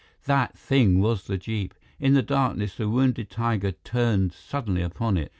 That thing was the jeep. In the darkness, the wounded tiger turned suddenly upon it.